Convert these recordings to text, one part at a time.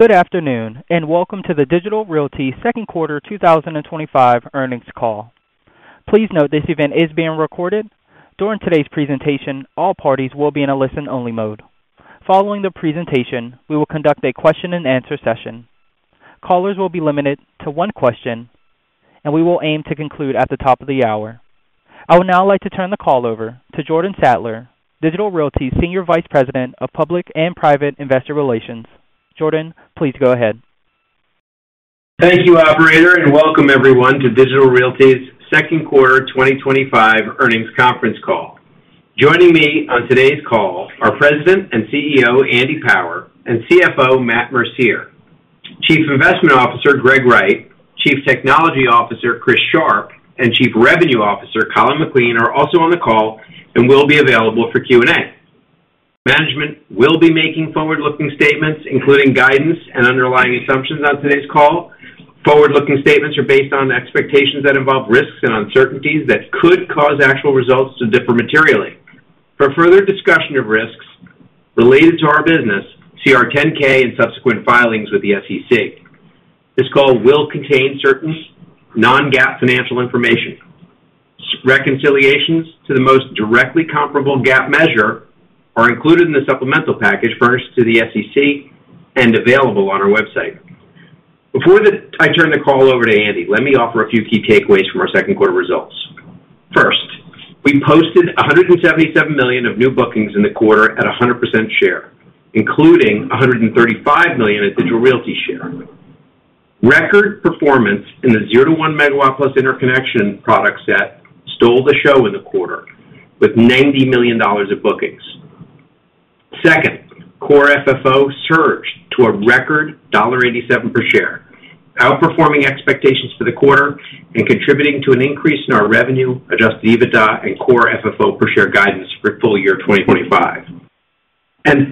Good afternoon and welcome to the Digital Realty second quarter 2025 earnings call. Please note this event is being recorded. During today's presentation, all parties will be in a listen-only mode. Following the presentation, we will conduct a question-and-answer session. Callers will be limited to one question, and we will aim to conclude at the top of the hour. I would now like to turn the call over to Jordan Sadler, Digital Realty's Senior Vice President of Public and Private Investor Relations. Jordan, please go ahead. Thank you, Operator, and welcome everyone to Digital Realty's second quarter 2025 earnings conference call. Joining me on today's call are President and CEO Andy Power and CFO Matt Mercier. Chief Investment Officer Greg Wright, Chief Technology Officer Chris Sharp, and Chief Revenue Officer Colin McLean are also on the call and will be available for Q&A. Management will be making forward-looking statements, including guidance and underlying assumptions on today's call. Forward-looking statements are based on expectations that involve risks and uncertainties that could cause actual results to differ materially. For further discussion of risks related to our business, see our 10-K and subsequent filings with the SEC. This call will contain certain non-GAAP financial information. Reconciliations to the most directly comparable GAAP measure are included in the supplemental package furnished to the SEC and available on our website. Before I turn the call over to Andy, let me offer a few key takeaways from our second quarter results. First, we posted $177 million of new bookings in the quarter at 100% share, including $135 million at Digital Realty's share. Record performance in the 0 MW-1 MW plus interconnection product set stole the show in the quarter with $90 million of bookings. Second, core FFO surged to a record $1.87 per share, outperforming expectations for the quarter and contributing to an increase in our revenue-adjusted EBITDA and core FFO per share guidance for full year 2025.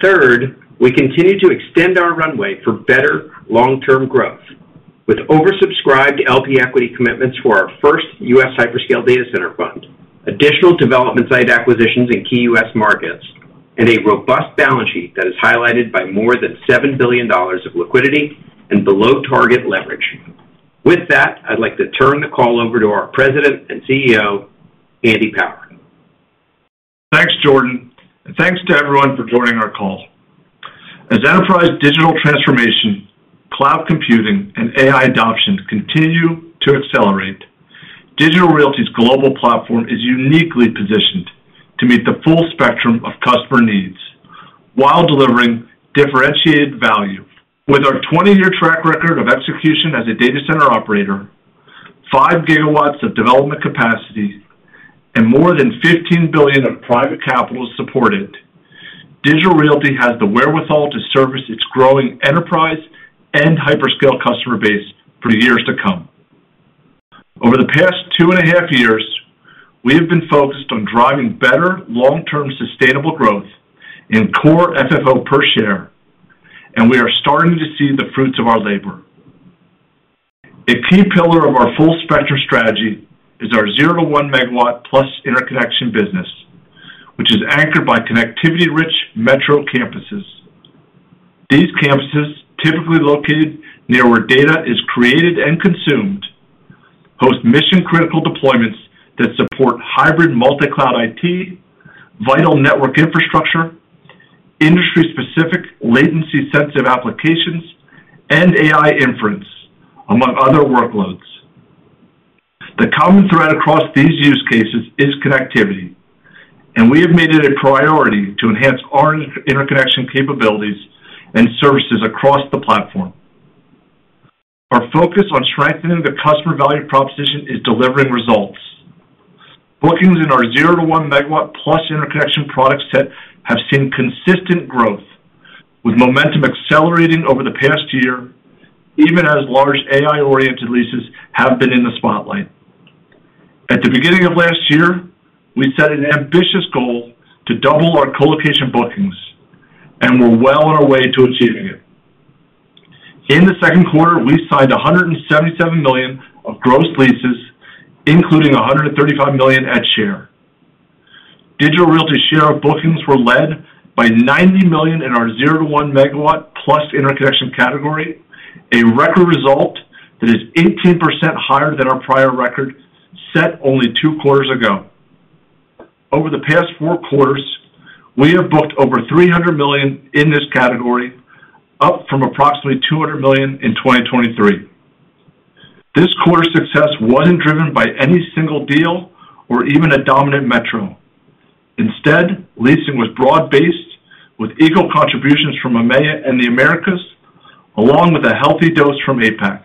Third, we continue to extend our runway for better long-term growth with oversubscribed LP equity commitments for our first U.S. Hyperscale Data Center Fund, additional development-side acquisitions in key U.S. markets, and a robust balance sheet that is highlighted by more than $7 billion of liquidity and below-target leverage. With that, I'd like to turn the call over to our President and CEO, Andy Power. Thanks, Jordan. Thanks to everyone for joining our call. As enterprise digital transformation, cloud computing, and AI adoption continue to accelerate, Digital Realty's global platform is uniquely positioned to meet the full spectrum of customer needs while delivering differentiated value. With our 20-year track record of execution as a data center operator, 5 GW of development capacity, and more than $15 billion of private capital supported, Digital Realty has the wherewithal to service its growing enterprise and hyperscale customer base for years to come. Over the past 2.5 years, we have been focused on driving better long-term sustainable growth in core FFO per share, and we are starting to see the fruits of our labor. A key pillar of our full-spectrum strategy is our 0 MW-1 MW plus interconnection business, which is anchored by connectivity-rich metro campuses. These campuses, typically located near where data is created and consumed, host mission-critical deployments that support hybrid multi-cloud IT, vital network infrastructure, industry-specific latency-sensitive applications, and AI inference, among other workloads. The common thread across these use cases is connectivity, and we have made it a priority to enhance our interconnection capabilities and services across the platform. Our focus on strengthening the customer value proposition is delivering results. Bookings in our 0 MW-1 MW plus interconnection product set have seen consistent growth, with momentum accelerating over the past year, even as large AI-oriented leases have been in the spotlight. At the beginning of last year, we set an ambitious goal to double our colocation bookings, and we're well on our way to achieving it. In the second quarter, we signed $177 million of gross leases, including $135 million at share. Digital Realty's share of bookings was led by $90 million in our 0 MW-1 MW plus interconnection category, a record result that is 18% higher than our prior record set only two quarters ago. Over the past four quarters, we have booked over $300 million in this category, up from approximately $200 million in 2023. This quarter's success wasn't driven by any single deal or even a dominant metro. Instead, leasing was broad-based with equal contributions from EMEA and the Americas, along with a healthy dose from APAC.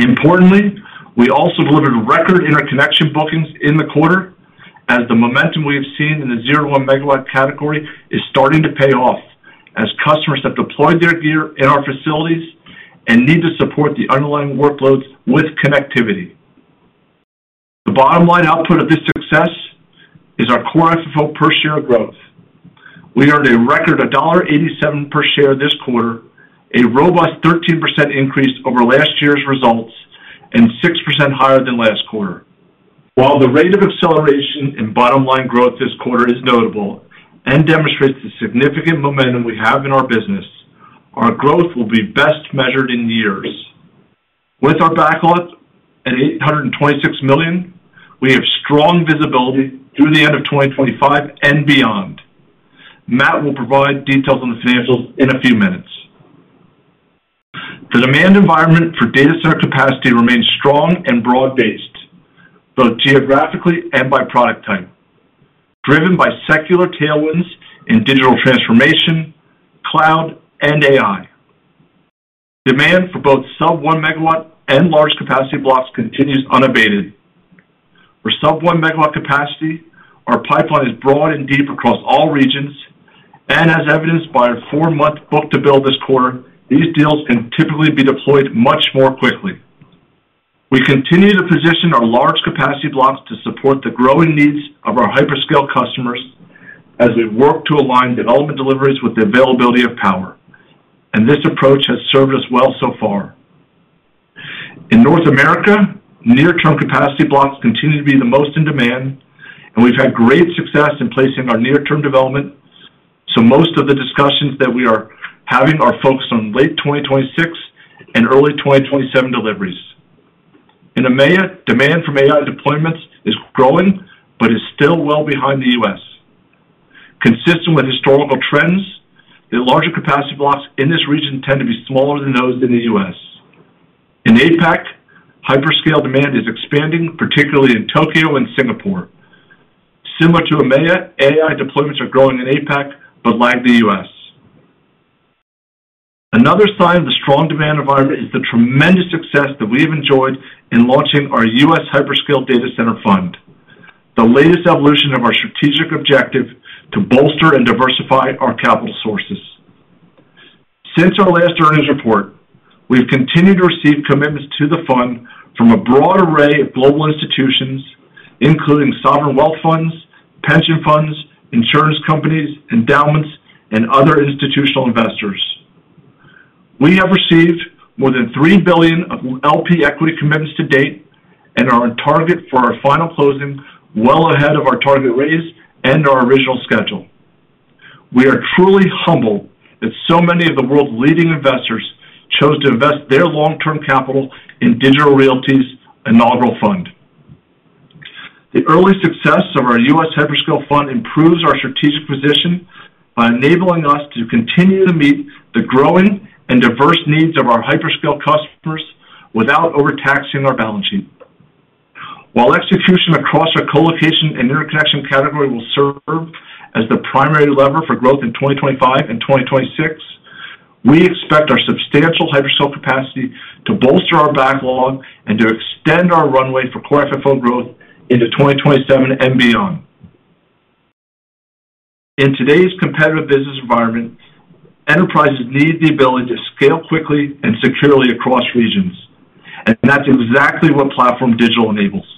Importantly, we also delivered record interconnection bookings in the quarter, as the momentum we have seen in the 0 MW-1 MW category is starting to pay off as customers have deployed their gear in our facilities and need to support the underlying workloads with connectivity. The bottom line output of this success is our core FFO per share growth. We earned a record of $1.87 per share this quarter, a robust 13% increase over last year's results, and 6% higher than last quarter. While the rate of acceleration in bottom-line growth this quarter is notable and demonstrates the significant momentum we have in our business, our growth will be best measured in years. With our backlog at $826 million, we have strong visibility through the end of 2025 and beyond. Matt will provide details on the financials in a few minutes. The demand environment for data center capacity remains strong and broad-based, both geographically and by product type, driven by secular tailwinds in digital transformation, cloud, and AI. Demand for both sub-1 MW and large capacity blocks continues unabated. For sub-1 MW capacity, our pipeline is broad and deep across all regions, and as evidenced by our four-month book-to-build this quarter, these deals can typically be deployed much more quickly. We continue to position our large capacity blocks to support the growing needs of our hyperscale customers as we work to align development deliveries with the availability of power, and this approach has served us well so far. In North America, near-term capacity blocks continue to be the most in demand, and we've had great success in placing our near-term development. Most of the discussions that we are having are focused on late 2026 and early 2027 deliveries. In EMEA, demand for AI deployments is growing but is still well behind the U.S. Consistent with historical trends, the larger capacity blocks in this region tend to be smaller than those in the U.S. In APAC, hyperscale demand is expanding, particularly in Tokyo and Singapore. Similar to EMEA, AI deployments are growing in APAC but lag the U.S. Another sign of the strong demand environment is the tremendous success that we have enjoyed in launching our U.S. Hyperscale Data Center Fund, the latest evolution of our strategic objective to bolster and diversify our capital sources. Since our last earnings report, we've continued to receive commitments to the fund from a broad array of global institutions, including sovereign wealth funds, pension funds, insurance companies, endowments, and other institutional investors. We have received more than $3 billion of LP equity commitments to date and are on target for our final closing, well ahead of our target raise and our original schedule. We are truly humbled that so many of the world's leading investors chose to invest their long-term capital in Digital Realty's inaugural fund. The early success of our U.S. Hyperscale Data Center Fund improves our strategic position by enabling us to continue to meet the growing and diverse needs of our hyperscale customers without overtaxing our balance sheet. While execution across our colocation and interconnection category will serve as the primary lever for growth in 2025 and 2026, we expect our substantial hyperscale capacity to bolster our backlog and to extend our runway for core FFO growth into 2027 and beyond. In today's competitive business environment, enterprises need the ability to scale quickly and securely across regions, and that's exactly what PlatformDIGITAL enables.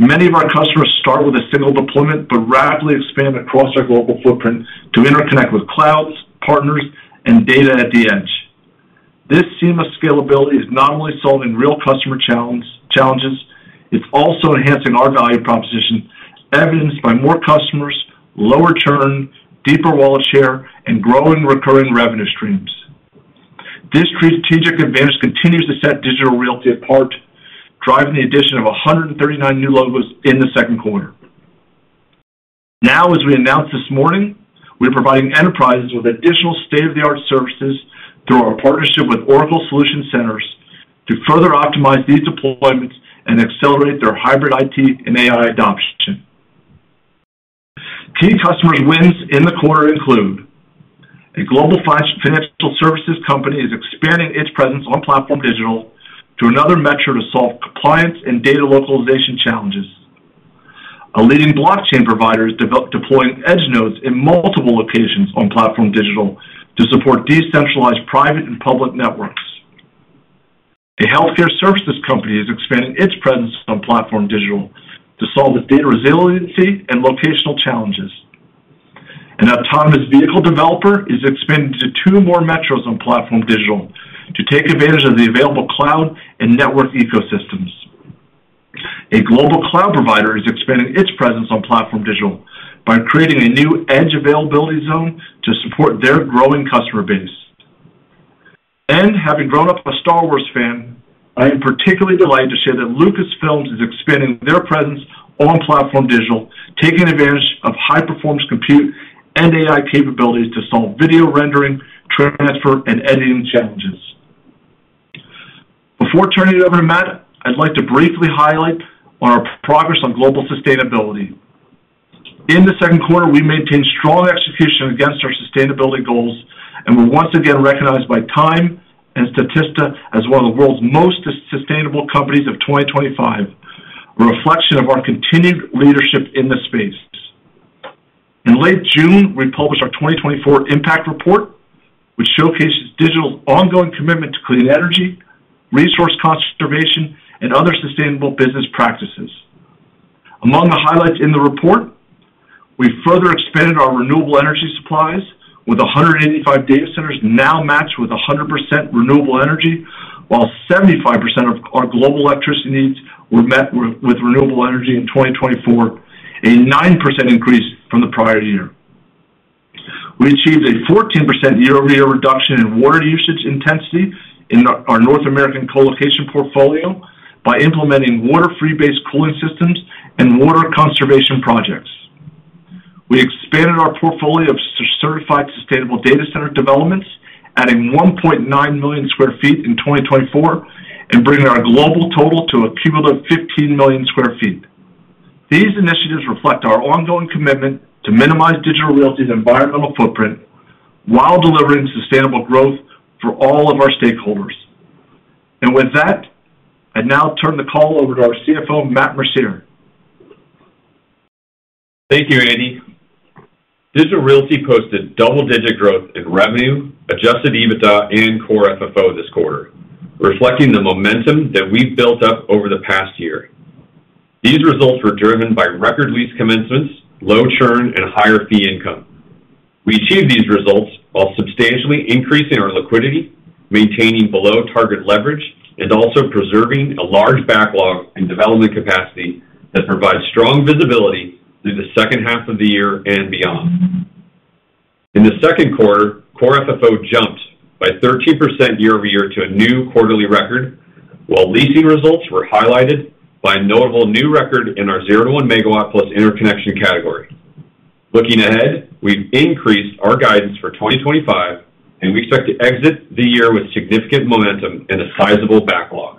Many of our customers start with a single deployment but rapidly expand across our global footprint to interconnect with clouds, partners, and data at the edge. This seamless scalability is not only solving real customer challenges, it's also enhancing our value proposition, evidenced by more customers, lower churn, deeper wallet share, and growing recurring revenue streams. This strategic advantage continues to set Digital Realty apart, driving the addition of 139 new logos in the second quarter. Now, as we announced this morning, we are providing enterprises with additional state-of-the-art services through our partnership with Oracle Solution Centers to further optimize these deployments and accelerate their hybrid IT and AI adoption. Key customers' wins in the quarter include. A global financial services company is expanding its presence on PlatformDIGITAL to another metro to solve compliance and data localization challenges. A leading blockchain provider is deploying edge nodes in multiple locations on PlatformDIGITAL to support decentralized private and public networks. A healthcare services company is expanding its presence on PlatformDIGITAL to solve its data resiliency and locational challenges. An autonomous vehicle developer is expanding to two more metros on PlatformDIGITAL to take advantage of the available cloud and network ecosystems. A global cloud provider is expanding its presence on PlatformDIGITAL by creating a new edge availability zone to support their growing customer base. Having grown up a Star Wars fan, I am particularly delighted to share that Lucasfilm is expanding their presence on PlatformDIGITAL, taking advantage of high-performance compute and AI capabilities to solve video rendering, transfer, and editing challenges. Before turning it over to Matt, I'd like to briefly highlight our progress on global sustainability. In the second quarter, we maintained strong execution against our sustainability goals, and we were once again recognized by Time and Statista as one of the world's most sustainable companies of 2025, a reflection of our continued leadership in this space. In late June, we published our 2024 impact report, which showcases Digital's ongoing commitment to clean energy, resource conservation, and other sustainable business practices. Among the highlights in the report, we further expanded our renewable energy supplies with 185 data centers now matched with 100% renewable energy, while 75% of our global electricity needs were met with renewable energy in 2024, a 9% increase from the prior year. We achieved a 14% year-over-year reduction in water usage intensity in our North American colocation portfolio by implementing water-free-based cooling systems and water conservation projects. We expanded our portfolio of certified sustainable data center developments, adding 1.9 million sq ft in 2024 and bringing our global total to a cumulative 15 million sq ft. These initiatives reflect our ongoing commitment to minimize Digital Realty's environmental footprint while delivering sustainable growth for all of our stakeholders. I now turn the call over to our CFO, Matt Mercier. Thank you, Andy. Digital Realty posted double-digit growth in revenue, adjusted EBITDA, and core FFO this quarter, reflecting the momentum that we've built up over the past year. These results were driven by record lease commencements, low churn, and higher fee income. We achieved these results while substantially increasing our liquidity, maintaining below-target leverage, and also preserving a large backlog and development capacity that provides strong visibility through the second half of the year and beyond. In the second quarter, core FFO jumped by 13% year-over-year to a new quarterly record, while leasing results were highlighted by a notable new record in our 0 MW-1 MW plus interconnection category. Looking ahead, we've increased our guidance for 2025, and we expect to exit the year with significant momentum and a sizable backlog.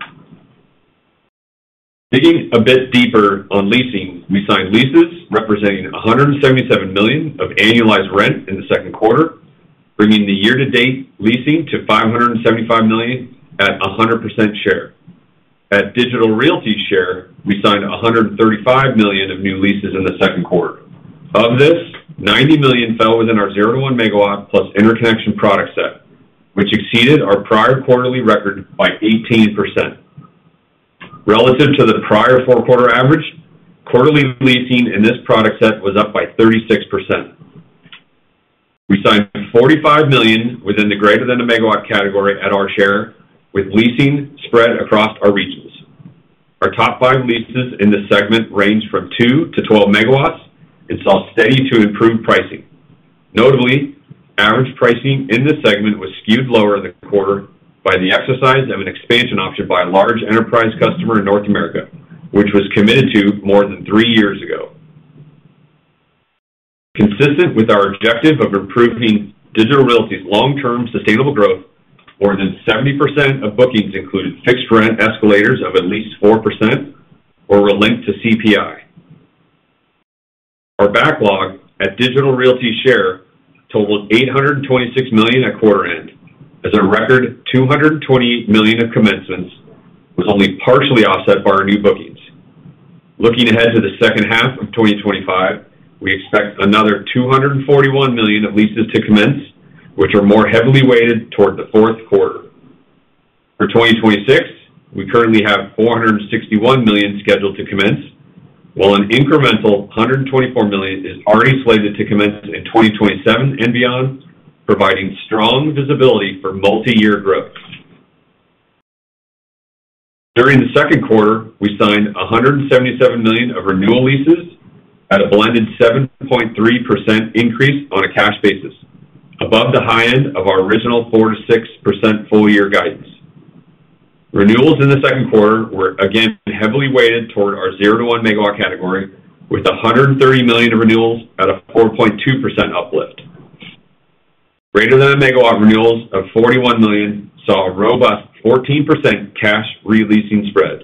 Digging a bit deeper on leasing, we signed leases representing $177 million of annualized rent in the second quarter, bringing the year-to-date leasing to $575 million at 100% share. At Digital Realty's share, we signed $135 million of new leases in the second quarter. Of this, $90 million fell within our 0 MW-1 MW plus interconnection product set, which exceeded our prior quarterly record by 18%. Relative to the prior four-quarter average, quarterly leasing in this product set was up by 36%. We signed $45 million within the greater-than-a-megawatt category at our share, with leasing spread across our regions. Our top five leases in this segment ranged from 2 MW-12 MW and saw steady to improved pricing. Notably, average pricing in this segment was skewed lower in the quarter by the exercise of an expansion option by a large enterprise customer in North America, which was committed to more than three years ago. Consistent with our objective of improving Digital Realty's long-term sustainable growth, more than 70% of bookings included fixed-rent escalators of at least 4% or were linked to CPI. Our backlog at Digital Realty's share totaled $826 million at quarter-end, as a record $220 million of commencements was only partially offset by our new bookings. Looking ahead to the second half of 2025, we expect another $241 million of leases to commence, which are more heavily weighted toward the fourth quarter. For 2026, we currently have $461 million scheduled to commence, while an incremental $124 million is already slated to commence in 2027 and beyond, providing strong visibility for multi-year growth. During the second quarter, we signed $177 million of renewal leases at a blended 7.3% increase on a cash basis, above the high end of our original 4%-6% full-year guidance. Renewals in the second quarter were again heavily weighted toward our 0 MW-1 MW category, with $130 million of renewals at a 4.2% uplift. Greater-than-a-megawatt renewals of $41 million saw a robust 14% cash releasing spread.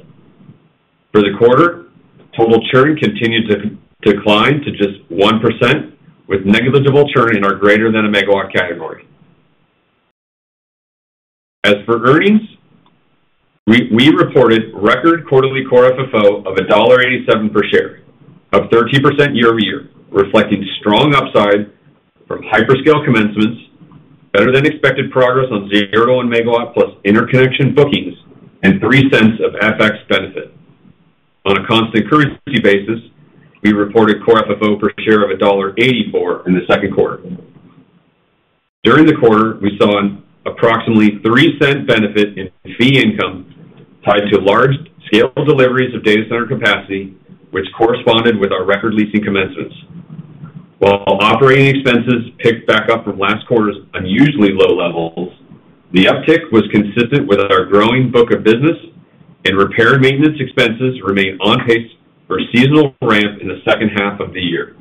For the quarter, total churn continued to decline to just 1%, with negligible churn in our greater-than-a-megawatt category. As for earnings. We reported record quarterly core FFO of $1.87 per share, up 13% year-over-year, reflecting strong upside from hyperscale commencements, better-than-expected progress on 0 MW-1 MW plus interconnection bookings, and $0.03 of FX benefit. On a constant currency basis, we reported core FFO per share of $1.84 in the second quarter. During the quarter, we saw an approximately $0.03 benefit in fee income tied to large-scale deliveries of data center capacity, which corresponded with our record-leasing commencements. While operating expenses picked back up from last quarter's unusually low levels, the uptick was consistent with our growing book of business, and repair and maintenance expenses remained on pace for a seasonal ramp in the second half of the year.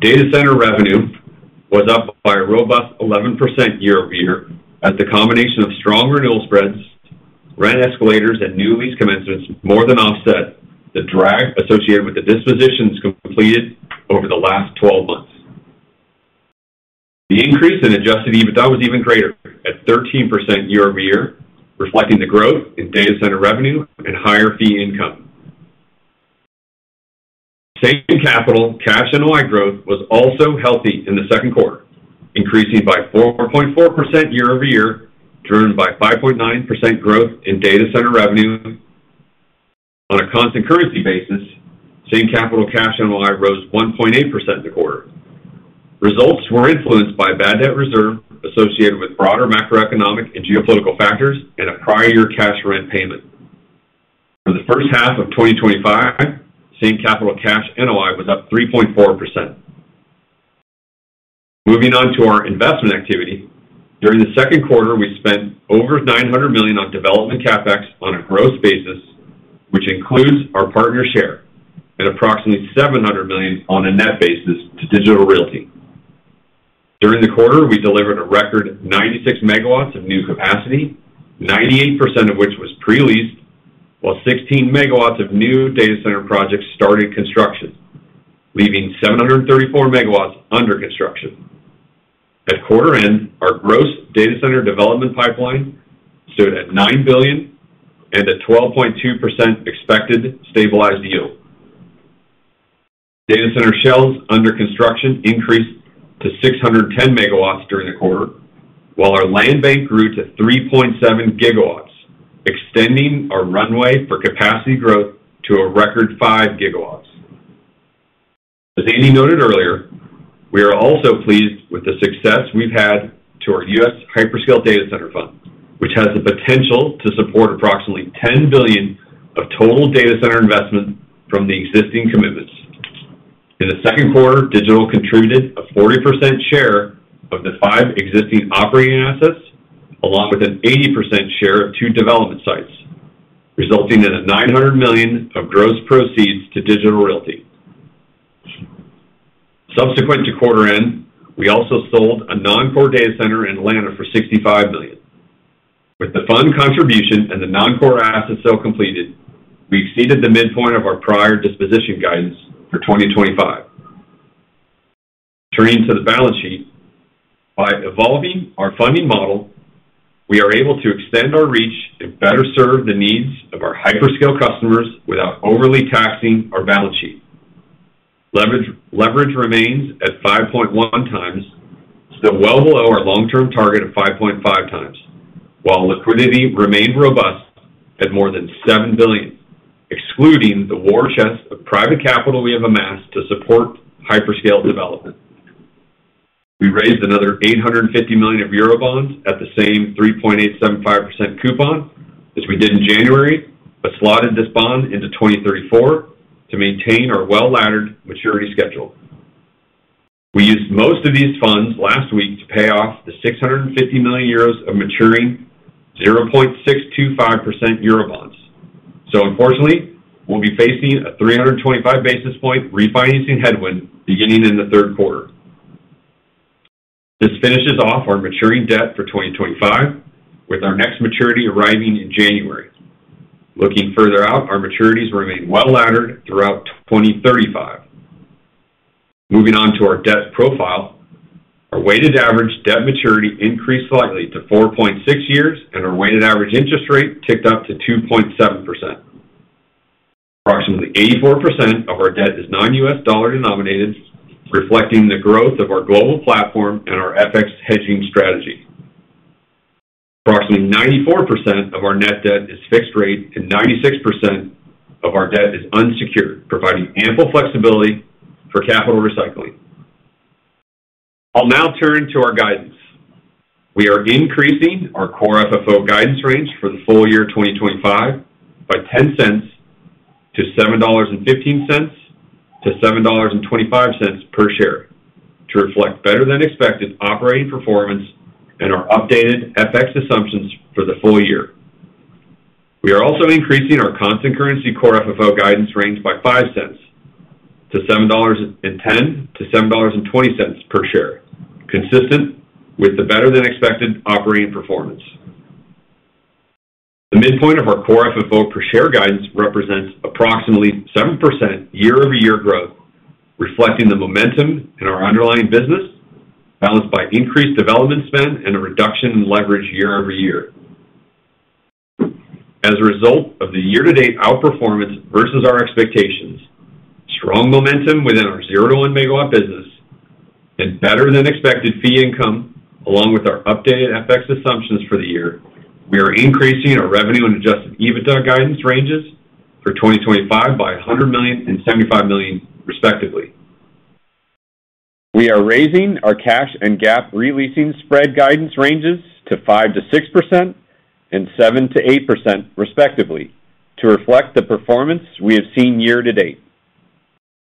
Data center revenue was up by a robust 11% year-over-year as the combination of strong renewal spreads, rent escalators, and new lease commencements more than offset the drag associated with the dispositions completed over the last 12 months. The increase in adjusted EBITDA was even greater, at 13% year-over-year, reflecting the growth in data center revenue and higher fee income. Same capital cash NOI growth was also healthy in the second quarter, increasing by 4.4% year-over-year, driven by 5.9% growth in data center revenue. On a constant currency basis, same capital cash NOI rose 1.8% in the quarter. Results were influenced by bad debt reserve associated with broader macroeconomic and geopolitical factors and a prior-year cash rent payment. For the first half of 2025, same capital cash NOI was up 3.4%. Moving on to our investment activity, during the second quarter, we spent over $900 million on development CapEx on a gross basis, which includes our partner's share, and approximately $700 million on a net basis to Digital Realty. During the quarter, we delivered a record 96 MW of new capacity, 98% of which was pre-leased, while 16 MW of new data center projects started construction, leaving 734 MW under construction. At quarter-end, our gross data center development pipeline stood at $9 billion and a 12.2% expected stabilized yield. Data center shells under construction increased to 610 MW during the quarter, while our land bank grew to 3.7 GW, extending our runway for capacity growth to a record 5 GW. As Andy noted earlier, we are also pleased with the success we've had to our U.S. Hyperscale Data Center Fund, which has the potential to support approximately $10 billion of total data center investment from the existing commitments. In the second quarter, Digital contributed a 40% share of the five existing operating assets, along with an 80% share of two development sites, resulting in $900 million of gross proceeds to Digital Realty. Subsequent to quarter-end, we also sold a non-core data center in Atlanta for $65 million. With the fund contribution and the non-core asset sale completed, we exceeded the midpoint of our prior disposition guidance for 2025. Turning to the balance sheet. By evolving our funding model, we are able to extend our reach and better serve the needs of our hyperscale customers without overly taxing our balance sheet. Leverage remains at 5.1x, still well below our long-term target of 5.5x, while liquidity remained robust at more than $7 billion, excluding the war chest of private capital we have amassed to support hyperscale development. We raised another 850 million of eurobonds at the same 3.875% coupon as we did in January, but slotted this bond into 2034 to maintain our well-laddered maturity schedule. We used most of these funds last week to pay off the 650 million euros of maturing 0.625% eurobonds. Unfortunately, we will be facing a 325 basis point refinancing headwind beginning in the third quarter. This finishes off our maturing debt for 2025, with our next maturity arriving in January. Looking further out, our maturities remain well-laddered throughout 2035. Moving on to our debt profile, our weighted average debt maturity increased slightly to 4.6 years, and our weighted average interest rate ticked up to 2.7%. Approximately 84% of our debt is non-U.S. dollar denominated, reflecting the growth of our global platform and our FX hedging strategy. Approximately 94% of our net debt is fixed rate, and 96% of our debt is unsecured, providing ample flexibility for capital recycling. I will now turn to our guidance. We are increasing our core FFO guidance range for the full year 2025 by $0.10 to $7.15-$7.25 per share to reflect better-than-expected operating performance and our updated FX assumptions for the full year. We are also increasing our constant currency core FFO guidance range by $0.05 to $7.10-$7.20 per share, consistent with the better-than-expected operating performance. The midpoint of our core FFO per share guidance represents approximately 7% year-over-year growth, reflecting the momentum in our underlying business, balanced by increased development spend and a reduction in leverage year-over-year. As a result of the year-to-date outperformance versus our expectations, strong momentum within our zero to one megawatt business, and better-than-expected fee income, along with our updated FX assumptions for the year, we are increasing our revenue and adjusted EBITDA guidance ranges for 2025 by $100 million and $75 million, respectively. We are raising our cash and GAAP releasing spread guidance ranges to 5%-6% and 7%-8%, respectively, to reflect the performance we have seen year-to-date.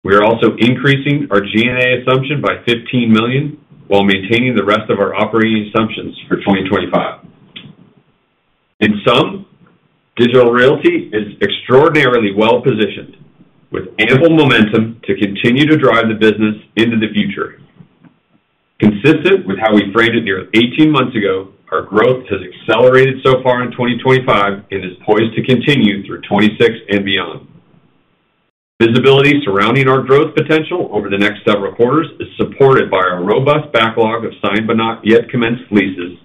We are also increasing our G&A assumption by $15 million while maintaining the rest of our operating assumptions for 2025. In sum, Digital Realty is extraordinarily well-positioned, with ample momentum to continue to drive the business into the future. Consistent with how we framed it nearly 18 months ago, our growth has accelerated so far in 2025 and is poised to continue through 2026 and beyond. Visibility surrounding our growth potential over the next several quarters is supported by our robust backlog of signed but not yet commenced leases,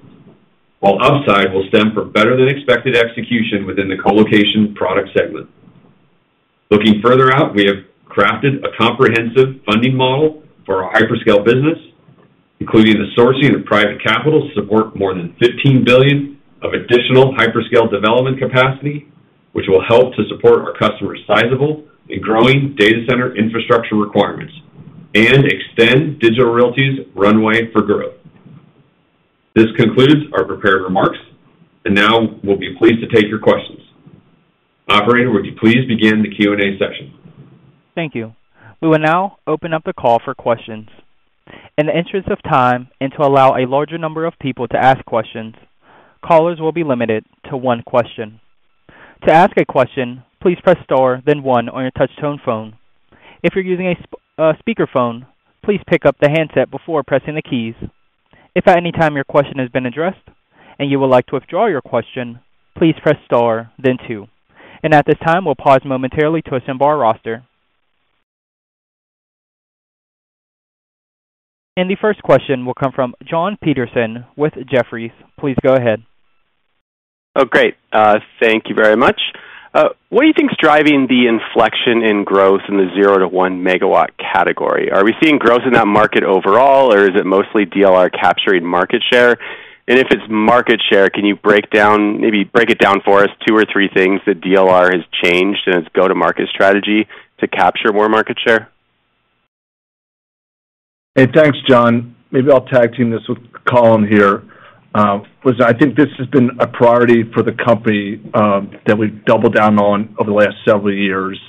while upside will stem from better-than-expected execution within the colocation product segment. Looking further out, we have crafted a comprehensive funding model for our hyperscale business, including the sourcing of private capital to support more than $15 billion of additional hyperscale development capacity, which will help to support our customers' sizable and growing data center infrastructure requirements and extend Digital Realty's runway for growth. This concludes our prepared remarks, and now we'll be pleased to take your questions. Operator, would you please begin the Q&A session? Thank you. We will now open up the call for questions. In the interest of time and to allow a larger number of people to ask questions, callers will be limited to one question. To ask a question, please press star then one on your touch-tone phone. If you're using a speakerphone, please pick up the handset before pressing the keys. If at any time your question has been addressed and you would like to withdraw your question, please press star then two. At this time, we'll pause momentarily to assemble our roster. The first question will come from Jon Petersen with Jefferies. Please go ahead. Oh, great. Thank you very much. What do you think's driving the inflection in growth in the 0 MW-1 MW category? Are we seeing growth in that market overall, or is it mostly DLR capturing market share? If it's market share, can you break down, maybe break it down for us, two or three things that DLR has changed in its go-to-market strategy to capture more market share? Hey, thanks, Jon. Maybe I'll tag team this with Colin here. Listen, I think this has been a priority for the company that we've doubled down on over the last several years.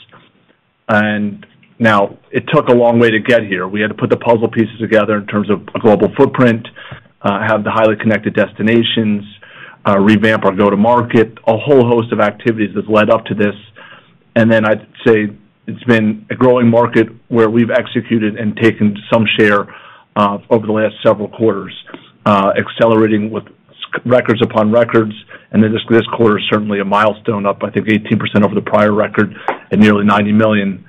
It took a long way to get here. We had to put the puzzle pieces together in terms of a global footprint, have the highly connected destinations, revamp our go-to-market, a whole host of activities that led up to this. I'd say it's been a growing market where we've executed and taken some share over the last several quarters, accelerating with records upon records. This quarter is certainly a milestone up, I think, 18% over the prior record at nearly $90 million.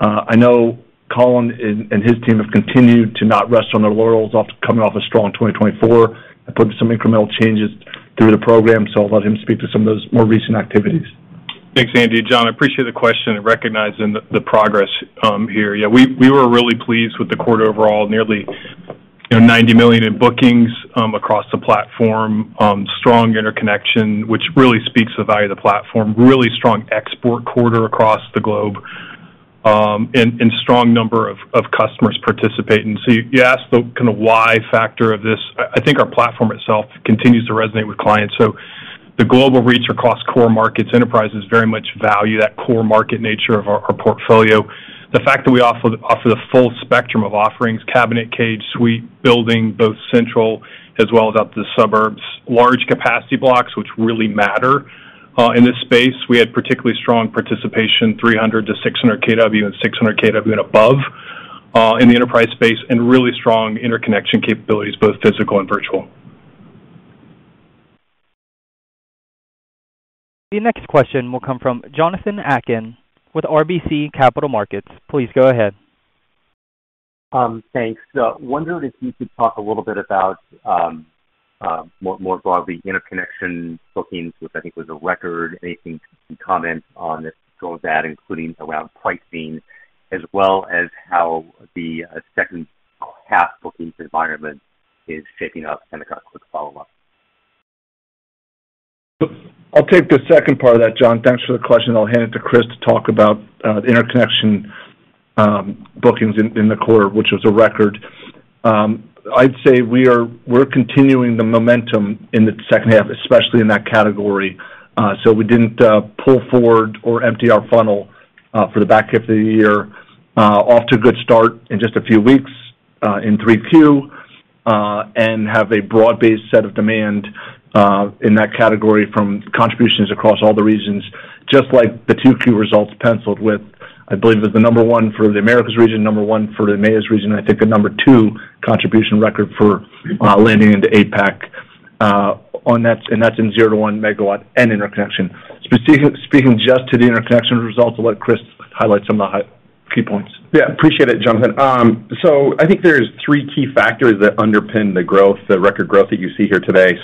I know Colin and his team have continued to not rest on their laurels after coming off a strong 2024 and putting some incremental changes through the program. I'll let him speak to some of those more recent activities. Thanks, Andy. Jon, I appreciate the question and recognizing the progress here. Yeah, we were really pleased with the quarter overall, nearly $90 million in bookings across the platform, strong interconnection, which really speaks to the value of the platform, really strong export quarter across the globe, and strong number of customers participating. So you asked the kind of why factor of this. I think our platform itself continues to resonate with clients. The global reach across core markets, enterprises very much value that core market nature of our portfolio. The fact that we offer the full spectrum of offerings, cabinet cage, suite, building, both central as well as out to the suburbs, large capacity blocks, which really matter in this space. We had particularly strong participation, 300 kW-600 kW and 600 kW and above in the enterprise space, and really strong interconnection capabilities, both physical and virtual. The next question will come from Jonathan Atkin with RBC Capital Markets. Please go ahead. Thanks. Wondered if you could talk a little bit about, more broadly, interconnection bookings, which I think was a record. Anything you can comment on that goes out, including around pricing, as well as how the second half bookings environment is shaping up and a quick follow-up. I'll take the second part of that, Jon. Thanks for the question. I'll hand it to Chris to talk about interconnection. Bookings in the quarter, which was a record. I'd say we're continuing the momentum in the second half, especially in that category. We didn't pull forward or empty our funnel for the back half of the year. Off to a good start in just a few weeks in 3Q and have a broad-based set of demand in that category from contributions across all the regions, just like the 2Q results penciled with, I believe it was the number one for the Americas region, number one for the EMEA region, and I think the number two contribution record for landing into APAC. That's in 0 MW-1 MW and interconnection. Speaking just to the interconnection results, I'll let Chris highlight some of the key points. Yeah, appreciate it, Jonathan. I think there's three key factors that underpin the growth, the record growth that you see here today.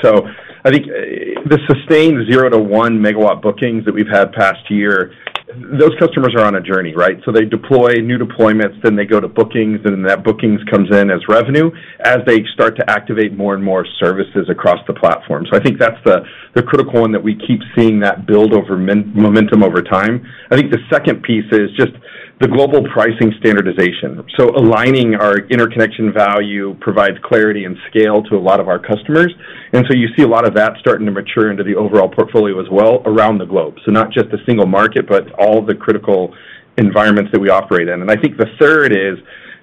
I think the sustained 0 MW-1 MW bookings that we've had past year, those customers are on a journey, right? They deploy new deployments, then they go to bookings, and then that bookings comes in as revenue as they start to activate more and more services across the platform. I think that's the critical one that we keep seeing that build over momentum over time. I think the second piece is just the global pricing standardization. Aligning our interconnection value provides clarity and scale to a lot of our customers. You see a lot of that starting to mature into the overall portfolio as well around the globe. Not just a single market, but all the critical environments that we operate in. I think the third is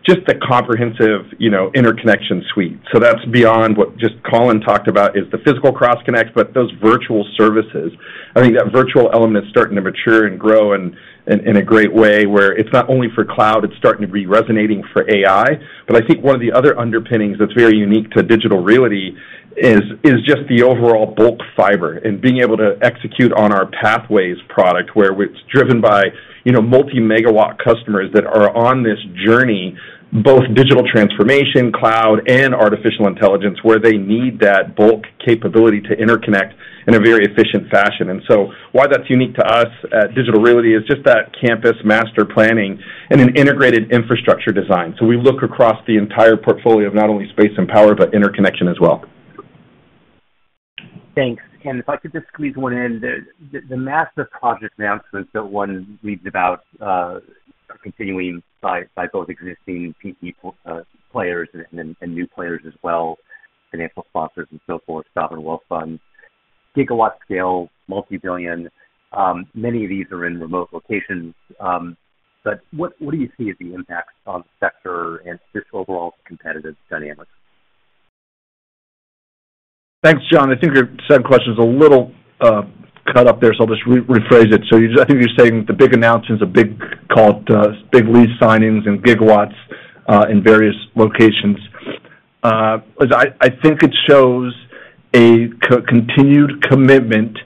just the comprehensive interconnection suite. That's beyond what just Colin talked about is the physical cross-connect, but those virtual services. I think that virtual element is starting to mature and grow in a great way where it's not only for cloud, it's starting to be resonating for AI. I think one of the other underpinnings that's very unique to Digital Realty is just the overall bulk fiber and being able to execute on our pathways product where it's driven by multi-megawatt customers that are on this journey, both digital transformation, cloud, and artificial intelligence, where they need that bulk capability to interconnect in a very efficient fashion. Why that's unique to us at Digital Realty is just that campus master planning and an integrated infrastructure design. We look across the entire portfolio of not only space and power, but interconnection as well. Thanks. If I could just squeeze one in, the master project announcements that one reads about are continuing by both existing PC players and new players as well, financial sponsors and so forth, sovereign wealth funds, gigawatt scale, multi-billion. Many of these are in remote locations. What do you see as the impact on the sector and just overall competitive dynamics? Thanks, Jon. I think your set of questions is a little cut up there, so I'll just rephrase it. I think you're saying the big announcements, a big call, big lease signings and gigawatts in various locations. I think it shows a continued commitment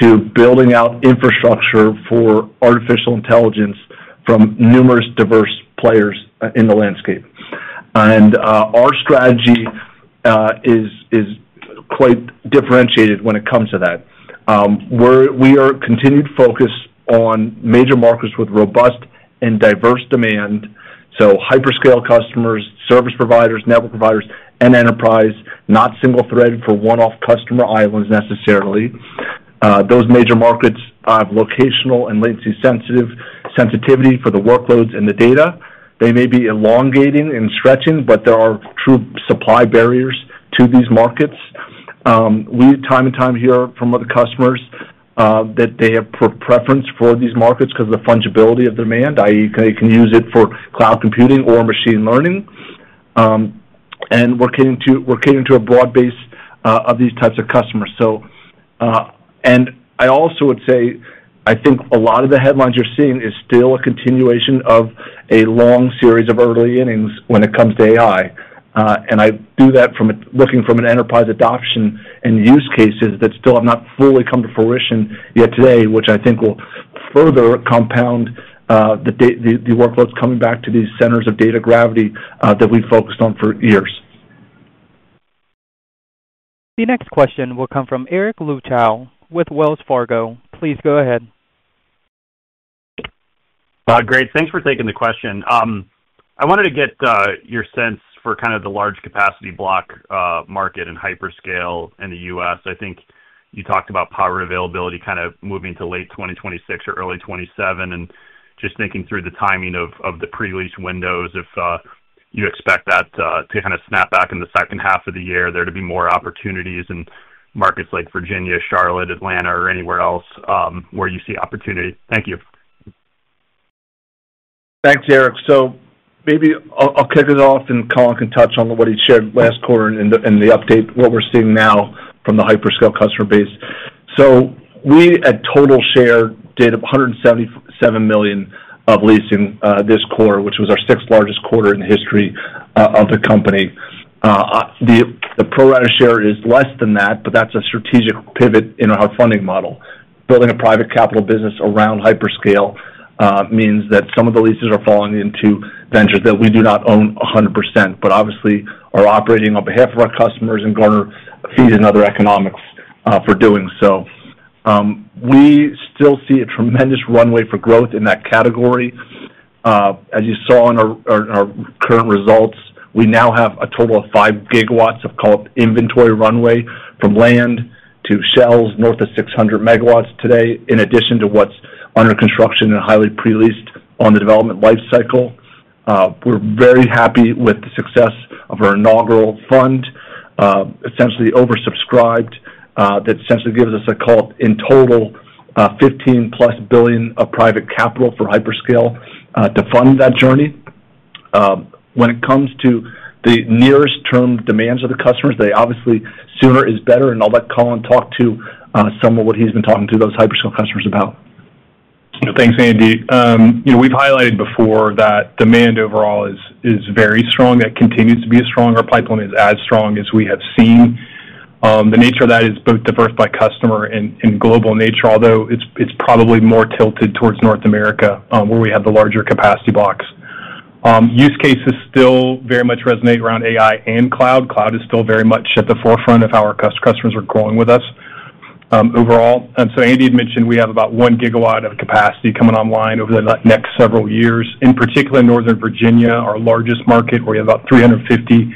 to building out infrastructure for artificial intelligence from numerous diverse players in the landscape. Our strategy is quite differentiated when it comes to that. We are continued focused on major markets with robust and diverse demand. Hyperscale customers, service providers, network providers, and enterprise, not single-threaded for one-off customer islands necessarily. Those major markets have locational and latency sensitivity for the workloads and the data. They may be elongating and stretching, but there are true supply barriers to these markets. We time and time hear from other customers that they have preference for these markets because of the fungibility of demand, i.e., they can use it for cloud computing or machine learning. We're catering to a broad base of these types of customers. I also would say, I think a lot of the headlines you're seeing is still a continuation of a long series of early innings when it comes to AI. I do that from looking from an enterprise adoption and use cases that still have not fully come to fruition yet today, which I think will further compound the workloads coming back to these centers of data gravity that we've focused on for years. The next question will come from Eric Luebchow with Wells Fargo. Please go ahead. Great. Thanks for taking the question. I wanted to get your sense for kind of the large capacity block market and hyperscale in the US. I think you talked about power availability kind of moving to late 2026 or early 2027 and just thinking through the timing of the prerelease windows if you expect that to kind of snap back in the second half of the year, there to be more opportunities in markets like Virginia, Charlotte, Atlanta, or anywhere else where you see opportunity. Thank you. Thanks, Eric. Maybe I'll kick it off and Colin can touch on what he shared last quarter and the update, what we're seeing now from the hyperscale customer base. We at total share did $177 million of leasing this quarter, which was our sixth largest quarter in the history of the company. The pro-rata share is less than that, but that's a strategic pivot in our funding model. Building a private capital business around hyperscale means that some of the leases are falling into ventures that we do not own 100%, but obviously are operating on behalf of our customers and garner fees and other economics for doing so. We still see a tremendous runway for growth in that category. As you saw in our current results, we now have a total of 5 GW of called inventory runway from land to shells north of 600 MW today, in addition to what's under construction and highly pre-leased on the development life cycle. We're very happy with the success of our inaugural fund. Essentially oversubscribed, that essentially gives us a call in total $15+ billion of private capital for hyperscale to fund that journey. When it comes to the nearest term demands of the customers, they obviously sooner is better, and I'll let Colin talk to some of what he's been talking to those hyperscale customers about. Thanks, Andy. We've highlighted before that demand overall is very strong. That continues to be a stronger pipeline as strong as we have seen. The nature of that is both diverse by customer and global nature, although it's probably more tilted towards North America where we have the larger capacity blocks. Use cases still very much resonate around AI and cloud. Cloud is still very much at the forefront of how our customers are growing with us. Overall. Andy had mentioned we have about 1 GW of capacity coming online over the next several years. In particular, Northern Virginia, our largest market, where we have about 350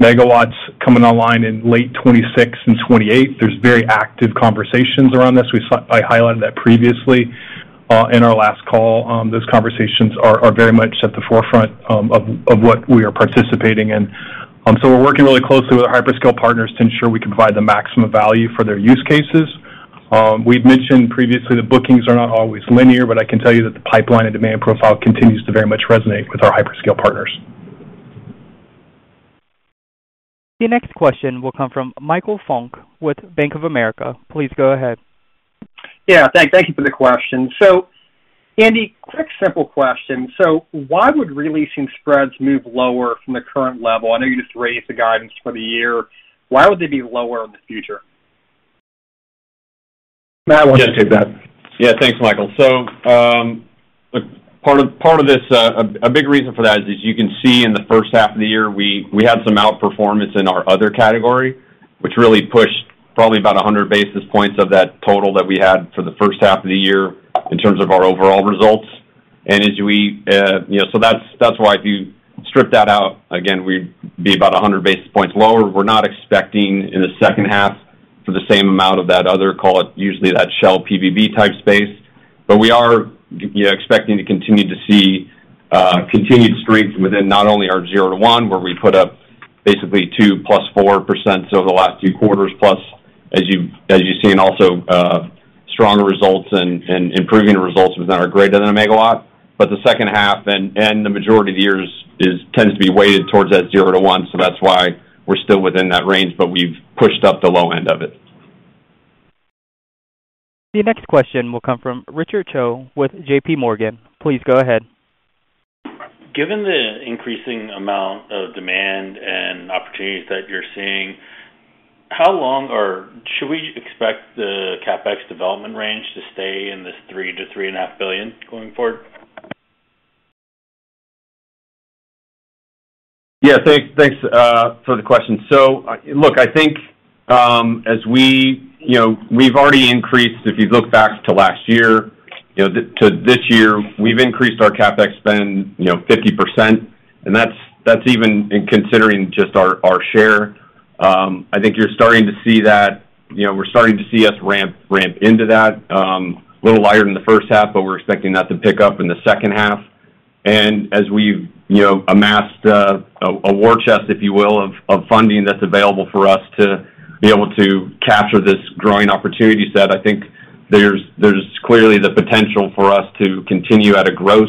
MW coming online in late 2026 and 2028. There are very active conversations around this. I highlighted that previously. In our last call, those conversations are very much at the forefront of what we are participating in. We are working really closely with our hyperscale partners to ensure we can provide the maximum value for their use cases. We've mentioned previously that bookings are not always linear, but I can tell you that the pipeline and demand profile continues to very much resonate with our hyperscale partners. The next question will come from Michael Funk with Bank of America. Please go ahead. Yeah, thank you for the question. So, Andy, quick simple question. Why would releasing spreads move lower from the current level? I know you just raised the guidance for the year. Why would they be lower in the future? Matt, want to take that? Yeah, thanks, Michael. Part of this, a big reason for that is you can see in the first half of the year, we had some outperformance in our other category, which really pushed probably about 100 basis points of that total that we had for the first half of the year in terms of our overall results. As we, that's why if you strip that out, again, we'd be about 100 basis points lower. We're not expecting in the second half for the same amount of that other, call it usually that shell PBB type space. We are expecting to continue to see continued strength within not only our 0 MW-1 MW, where we put up basically 2%+4% over the last few quarters, plus as you've seen also stronger results and improving results within our greater-than-a-megawatt. The second half and the majority of the years tends to be weighted towards that 0 MW-1 MW. That's why we're still within that range, but we've pushed up the low end of it. The next question will come from Richard Choe with JPMorgan. Please go ahead. Given the increasing amount of demand and opportunities that you're seeing, how long should we expect the CapEx development range to stay in this $3 billion-$3.5 billion going forward? Yeah, thanks for the question. Look, I think as we've already increased, if you look back to last year to this year, we've increased our CapEx spend 50%. That's even in considering just our share. I think you're starting to see that. We're starting to see us ramp into that. A little lighter than the first half, but we're expecting that to pick up in the second half. As we've amassed a war chest, if you will, of funding that's available for us to be able to capture this growing opportunity set, I think there's clearly the potential for us to continue at a gross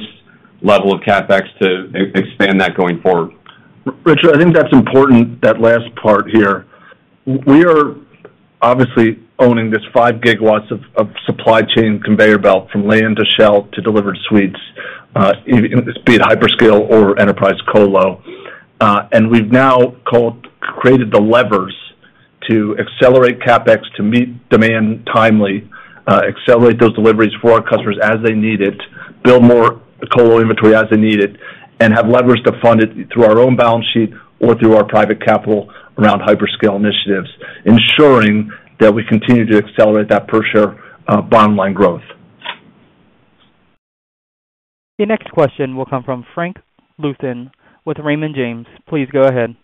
level of CapEx to expand that going forward. Richard, I think that's important, that last part here. We are obviously owning this 5 GW of supply chain conveyor belt from land to shell to delivered suites, be it hyperscale or enterprise colo. We've now created the levers to accelerate CapEx to meet demand timely, accelerate those deliveries for our customers as they need it, build more colo inventory as they need it, and have levers to fund it through our own balance sheet or through our private capital around hyperscale initiatives, ensuring that we continue to accelerate that per share bottom-line growth. The next question will come from Frank Louthan with Raymond James. Please go ahead.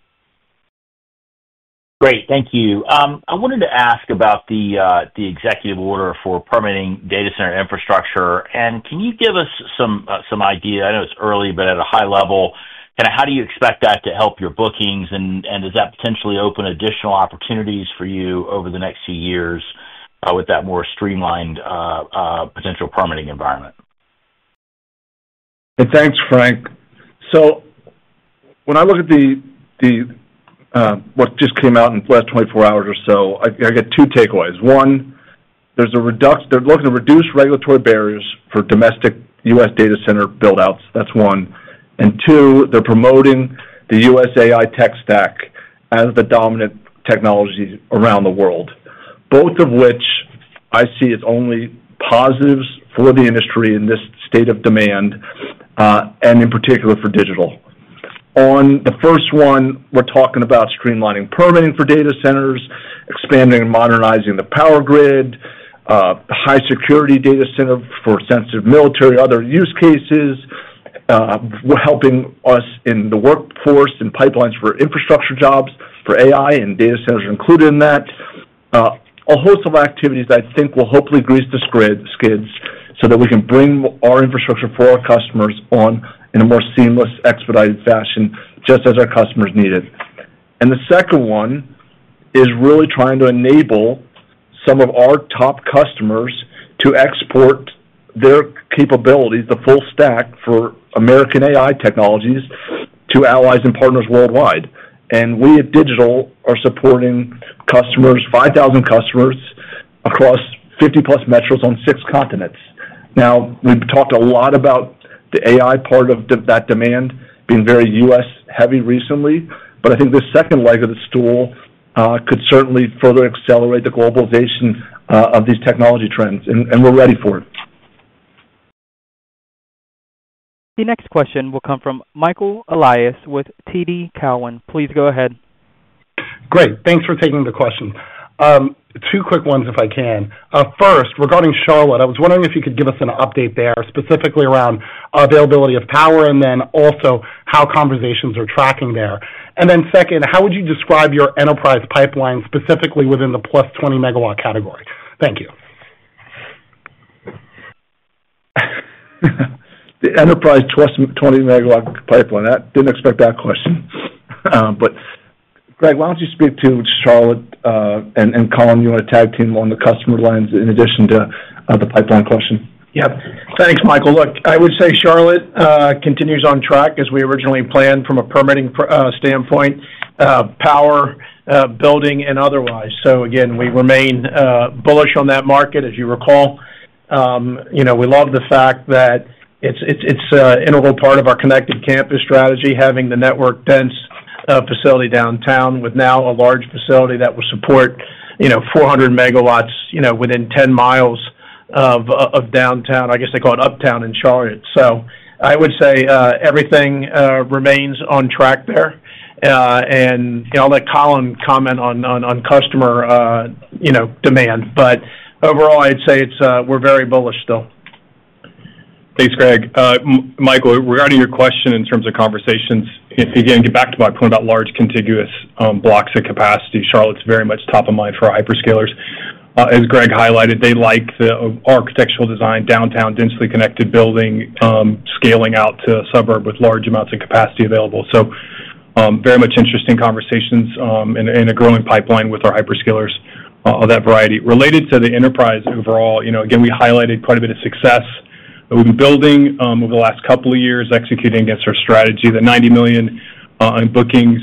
Great. Thank you. I wanted to ask about the executive order for permitting data center infrastructure. Can you give us some idea? I know it's early, but at a high level, kind of how do you expect that to help your bookings? Does that potentially open additional opportunities for you over the next few years with that more streamlined, potential permitting environment? Thanks, Frank. When I look at what just came out in the last 24 hours or so, I get two takeaways. One, they're looking to reduce regulatory barriers for domestic U.S. data center buildouts. That's one. Two, they're promoting the U.S. AI tech stack as the dominant technology around the world. Both of which I see as only positives for the industry in this state of demand, and in particular for Digital. On the first one, we're talking about streamlining permitting for data centers, expanding and modernizing the power grid, high-security data center for sensitive military and other use cases, helping us in the workforce and pipelines for infrastructure jobs for AI and data centers included in that. A host of activities that I think will hopefully grease the skids so that we can bring our infrastructure for our customers in a more seamless, expedited fashion, just as our customers need it. The second one is really trying to enable some of our top customers to export their capabilities, the full stack for American AI technologies to allies and partners worldwide. We at Digital are supporting 5,000 customers across 50+ metros on six continents. We've talked a lot about the AI part of that demand being very U.S.-heavy recently, but I think the second leg of the stool could certainly further accelerate the globalization of these technology trends. We're ready for it. The next question will come from Michael Elias with TD Cowen. Please go ahead. Great. Thanks for taking the question. Two quick ones if I can. First, regarding Charlotte, I was wondering if you could give us an update there specifically around availability of power and then also how conversations are tracking there. Second, how would you describe your enterprise pipeline specifically within the +20 MW category? Thank you. The enterprise +20 MW pipeline. I didn't expect that question. Greg, why don't you speak to Charlotte and Colin, you want to tag team along the customer lines in addition to the pipeline question? Yep. Thanks, Michael. Look, I would say Charlotte continues on track as we originally planned from a permitting standpoint, power, building, and otherwise. Again, we remain bullish on that market. As you recall, we love the fact that it's an integral part of our connected campus strategy, having the network dense facility downtown with now a large facility that will support 400 MW within 10 mi of downtown. I guess they call it uptown in Charlotte. I would say everything remains on track there. I'll let Colin comment on customer demand. Overall, I'd say we're very bullish still. Thanks, Greg. Michael, regarding your question in terms of conversations, again, get back to my point about large contiguous blocks of capacity. Charlotte's very much top of mind for our hyperscalers. As Greg highlighted, they like the architectural design, downtown, densely connected building, scaling out to suburb with large amounts of capacity available. Very much interesting conversations and a growing pipeline with our hyperscalers of that variety. Related to the enterprise overall, again, we highlighted quite a bit of success that we've been building over the last couple of years, executing against our strategy. The $90 million in bookings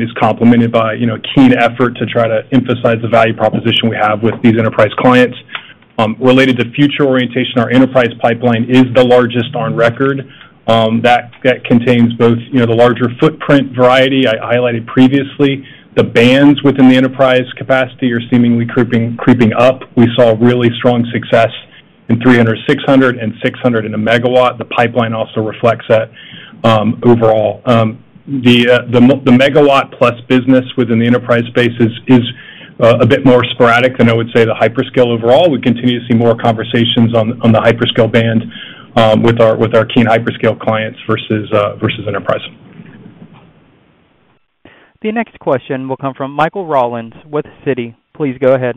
is complemented by a keen effort to try to emphasize the value proposition we have with these enterprise clients. Related to future orientation, our enterprise pipeline is the largest on record. That contains both the larger footprint variety I highlighted previously. The bands within the enterprise capacity are seemingly creeping up. We saw really strong success in 300 MW, 600 MW, and 600 MW. The pipeline also reflects that. Overall, the megawatt plus business within the enterprise space is a bit more sporadic than I would say the hyperscale overall. We continue to see more conversations on the hyperscale band with our keen hyperscale clients versus enterprise. The next question will come from Michael Rollins with Citi. Please go ahead.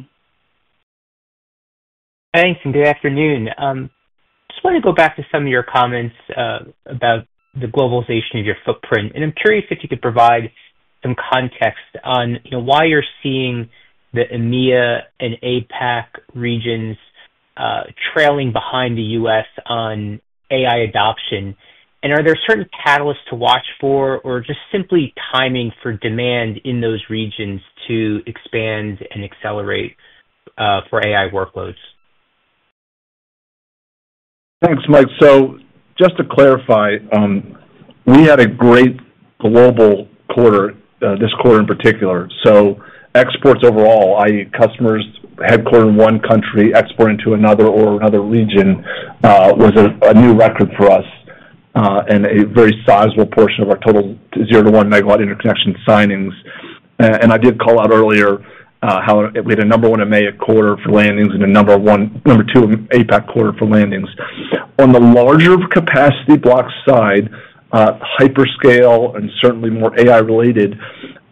Thanks. Good afternoon. I just want to go back to some of your comments about the globalization of your footprint. I'm curious if you could provide some context on why you're seeing the EMEA and APAC regions trailing behind the U.S. on AI adoption. Are there certain catalysts to watch for or just simply timing for demand in those regions to expand and accelerate for AI workloads? Thanks, Mike. Just to clarify, we had a great global quarter, this quarter in particular. Exports overall, i.e., customers headquartered in one country, exporting to another or another region, was a new record for us and a very sizable portion of our total 0 MW-1 MW interconnection signings. I did call out earlier how we had a number one EMEA quarter for landings and a number two APAC quarter for landings. On the larger capacity block side, hyperscale and certainly more AI-related,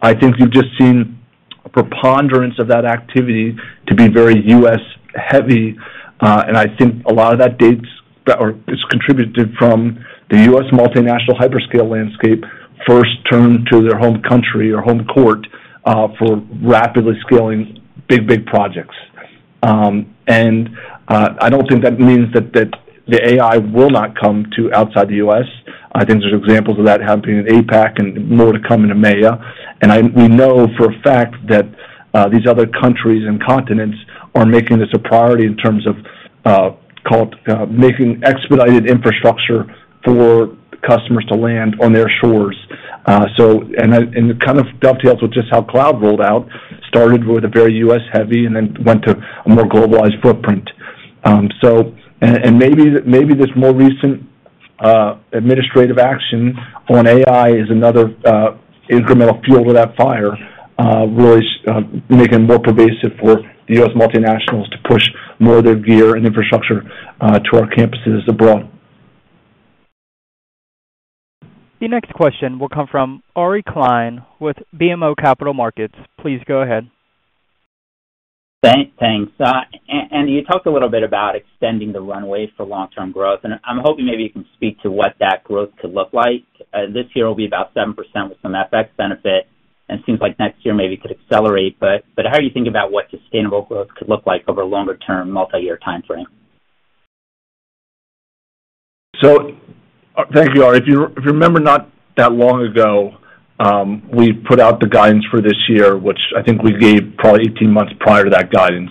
I think you've just seen a preponderance of that activity to be very U.S.-heavy. I think a lot of that is contributed from the U.S. multinational hyperscale landscape first turned to their home country or home court for rapidly scaling big, big projects. I don't think that means that the AI will not come to outside the U.S. I think there's examples of that happening in APAC and more to come in EMEA. We know for a fact that these other countries and continents are making this a priority in terms of making expedited infrastructure for customers to land on their shores. It kind of dovetails with just how cloud rolled out, started with a very U.S.-heavy and then went to a more globalized footprint. Maybe this more recent administrative action on AI is another incremental fuel to that fire, really making it more pervasive for the U.S. multinationals to push more of their gear and infrastructure to our campuses abroad. The next question will come from Ari Klein with BMO Capital Markets. Please go ahead. Thanks. You talked a little bit about extending the runway for long-term growth, and I'm hoping maybe you can speak to what that growth could look like. This year will be about 7% with some FX benefit, and it seems like next year maybe could accelerate. How do you think about what sustainable growth could look like over a longer-term multi-year timeframe? Thank you, Ari. If you remember not that long ago, we put out the guidance for this year, which I think we gave probably 18 months prior to that guidance.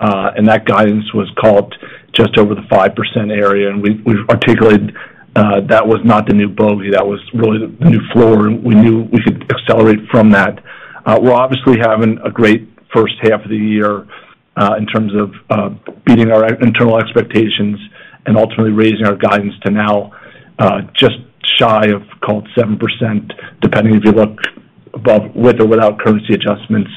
That guidance was called just over the 5% area, and we articulated that was not the new bogey. That was really the new floor. We knew we could accelerate from that. We're obviously having a great first half of the year in terms of beating our internal expectations and ultimately raising our guidance to now just shy of, call it, 7%, depending if you look with or without currency adjustments.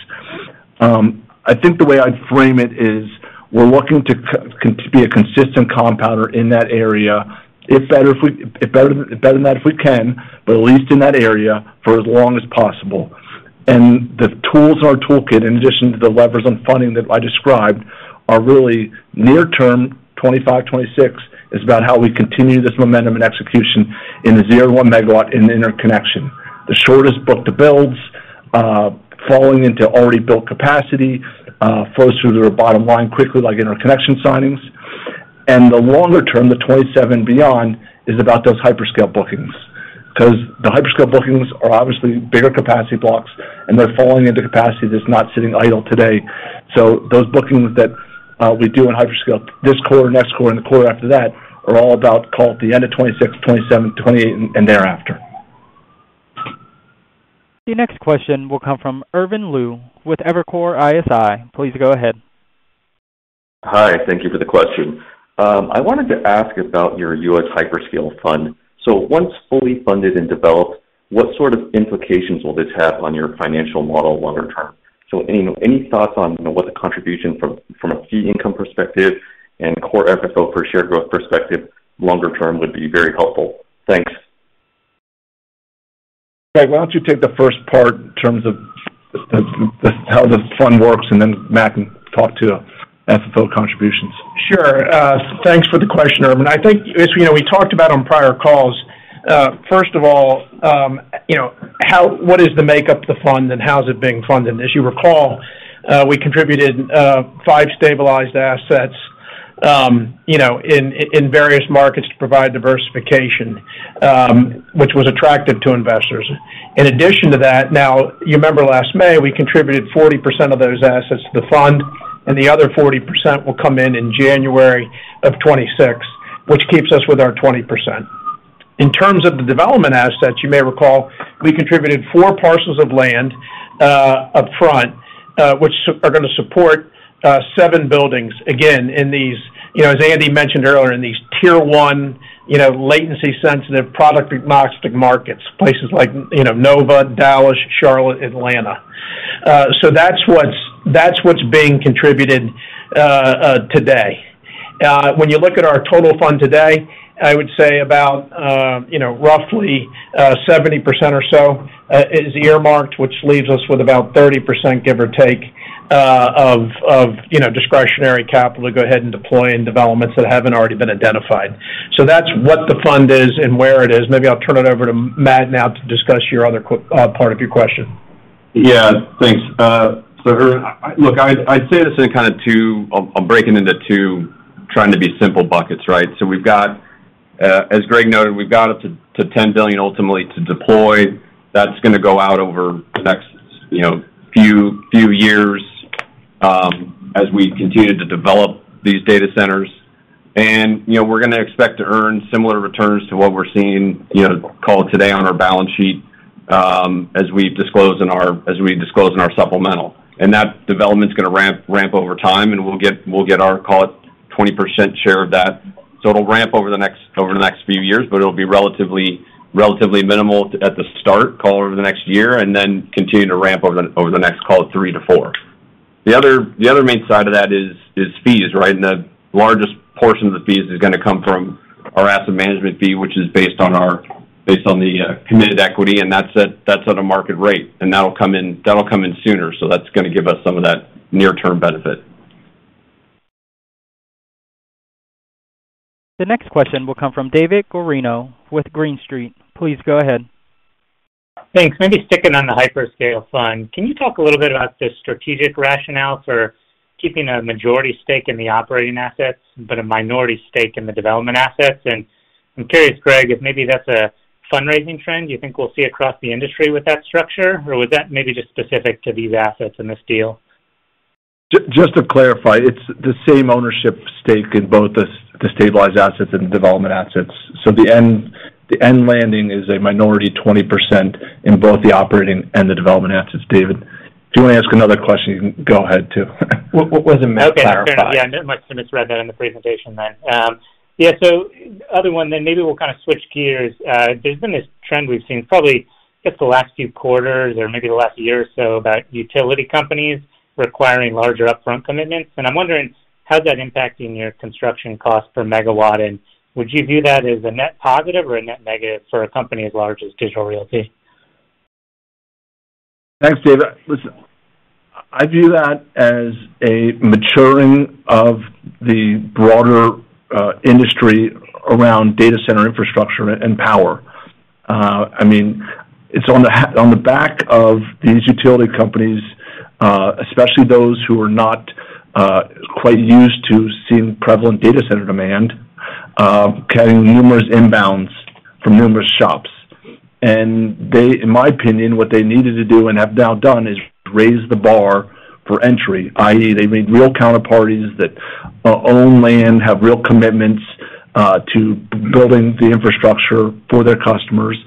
I think the way I'd frame it is we're looking to be a consistent compounder in that area, if better than that if we can, but at least in that area for as long as possible. The tools in our toolkit, in addition to the levers on funding that I described, are really near-term, 2025, 2026, is about how we continue this momentum and execution in the 0 MW-1 MW in the interconnection. The shortest book-to-builds, falling into already built capacity, flows through to our bottom line quickly, like interconnection signings. The longer term, the 2027 and beyond, is about those hyperscale bookings, because the hyperscale bookings are obviously bigger capacity blocks, and they're falling into capacity that's not sitting idle today. Those bookings that we do in hyperscale this quarter, next quarter, and the quarter after that are all about, call it, the end of 2026, 2027, 2028, and thereafter. The next question will come from Irvin Liu with Evercore ISI. Please go ahead. Hi. Thank you for the question. I wanted to ask about your U.S. Hyperscale Data Center Fund. Once fully funded and developed, what sort of implications will this have on your financial model longer term? Any thoughts on what the contribution from a fee income perspective and core FFO for shared growth perspective longer term would be very helpful. Thanks. Greg, why don't you take the first part in terms of how the fund works and then Matt can talk to FFO contributions? Sure. Thanks for the question, Irvin. I think, as we talked about on prior calls, first of all. What is the makeup of the fund and how is it being funded? As you recall, we contributed five stabilized assets in various markets to provide diversification, which was attractive to investors. In addition to that, now, you remember last May, we contributed 40% of those assets to the fund, and the other 40% will come in in January of 2026, which keeps us with our 20%. In terms of the development assets, you may recall we contributed four parcels of land upfront, which are going to support seven buildings. Again, as Andy mentioned earlier, in these tier one latency-sensitive product agnostic markets, places like Nova, Dallas, Charlotte, Atlanta. So that's what's being contributed today. When you look at our total fund today, I would say about roughly 70% or so is earmarked, which leaves us with about 30%, give or take, of discretionary capital to go ahead and deploy in developments that haven't already been identified. So that's what the fund is and where it is. Maybe I'll turn it over to Matt now to discuss your other part of your question. Yeah. Thanks. So Irvin, look, I'd say this in kind of two—I'm breaking into two, trying to be simple buckets, right? So we've got, as Greg noted, we've got up to $10 billion ultimately to deploy. That's going to go out over the next few years as we continue to develop these data centers. And we're going to expect to earn similar returns to what we're seeing called today on our balance sheet, as we disclose in our supplemental. And that development's going to ramp over time, and we'll get our, call it, 20% share of that. So it'll ramp over the next few years, but it'll be relatively minimal at the start, call it, over the next year, and then continue to ramp over the next, call it, 3 years-4 years. The other main side of that is fees, right? And the largest portion of the fees is going to come from our asset management fee, which is based on the committed equity, and that's at a market rate. And that'll come in sooner. So that's going to give us some of that near-term benefit. The next question will come from David Guarino with Green Street. Please go ahead. Thanks. Maybe sticking on the hyperscale fund, can you talk a little bit about the strategic rationale for keeping a majority stake in the operating assets but a minority stake in the development assets? And I'm curious, Greg, if maybe that's a fundraising trend you think we'll see across the industry with that structure, or was that maybe just specific to these assets in this deal? Just to clarify, it's the same ownership stake in both the stabilized assets and the development assets. So the end landing is a minority 20% in both the operating and the development assets. David, if you want to ask another question, you can go ahead too. What was it? Sorry. Yeah, I misread that in the presentation then. Yeah. Other one, then maybe we'll kind of switch gears. There's been this trend we've seen probably, I guess, the last few quarters or maybe the last year or so about utility companies requiring larger upfront commitments. I'm wondering how's that impacting your construction cost per megawatt? Would you view that as a net positive or a net negative for a company as large as Digital Realty? Thanks, David. I view that as a maturing of the broader industry around data center infrastructure and power. I mean, it's on the back of these utility companies, especially those who are not quite used to seeing prevalent data center demand, having numerous inbounds from numerous shops. In my opinion, what they needed to do and have now done is raise the bar for entry, i.e., they need real counterparties that own land, have real commitments to building the infrastructure for their customers.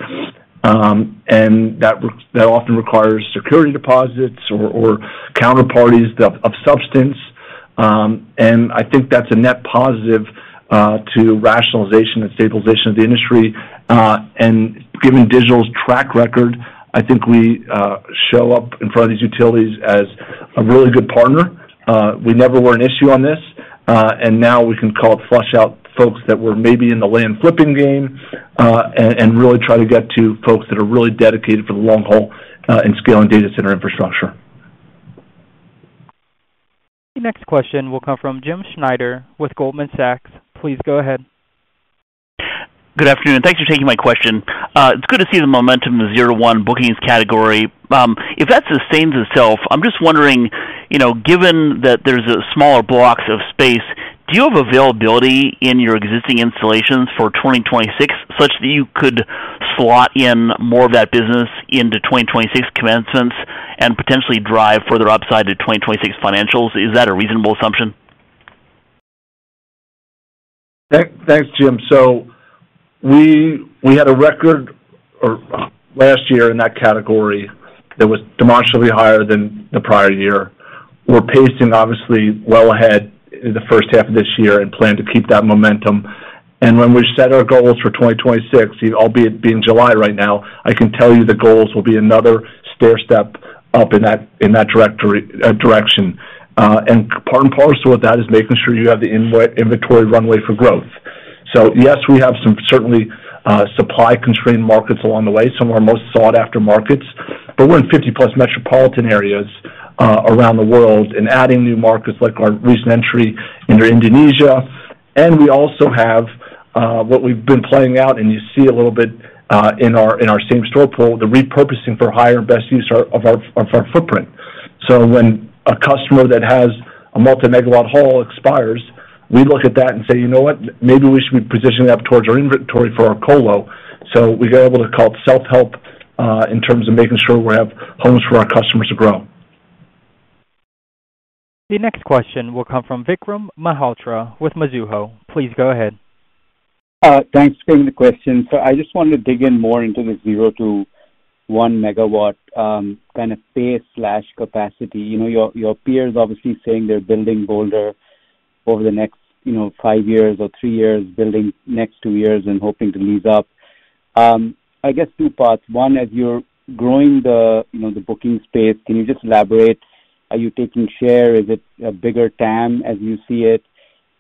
That often requires security deposits or counterparties of substance. I think that's a net positive to rationalization and stabilization of the industry. Given Digital's track record, I think we show up in front of these utilities as a really good partner. We never were an issue on this. Now we can call it flush out folks that were maybe in the land flipping game and really try to get to folks that are really dedicated for the long haul in scaling data center infrastructure. The next question will come from Jim Schneider with Goldman Sachs. Please go ahead. Good afternoon. Thanks for taking my question. It's good to see the momentum in the zero to one bookings category. If that sustains itself, I'm just wondering, given that there's smaller blocks of space, do you have availability in your existing installations for 2026 such that you could slot in more of that business into 2026 commencements and potentially drive further upside to 2026 financials? Is that a reasonable assumption? Thanks, Jim. We had a record last year in that category that was demonstrably higher than the prior year. We're pacing, obviously, well ahead in the first half of this year and plan to keep that momentum. When we set our goals for 2026, albeit being July right now, I can tell you the goals will be another stair step up in that direction. Part and parcel of that is making sure you have the inventory runway for growth. Yes, we have some certainly supply-constrained markets along the way, some of our most sought-after markets. We're in 50+ metropolitan areas around the world and adding new markets like our recent entry into Indonesia. We also have. What we've been playing out, and you see a little bit in our same store pull, the repurposing for higher and best use of our footprint. So when a customer that has a multi-megawatt haul expires, we look at that and say, "You know what? Maybe we should be positioning up towards our inventory for our colo." So we're able to call it self-help in terms of making sure we have homes for our customers to grow. The next question will come from Vikram Malhotra with Mizuho. Please go ahead. Thanks for giving the question. I just wanted to dig in more into the zero to one megawatt kind of pay/capacity. Your peers obviously saying they're building bolder over the next five years or three years, building next two years, and hoping to lease up. I guess two parts. One, as you're growing the booking space, can you just elaborate? Are you taking share? Is it a bigger TAM as you see it?